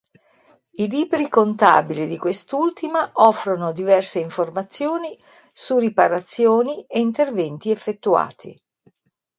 I libri contabili di quest'ultima offrono diverse informazioni su riparazioni e interventi effettuati.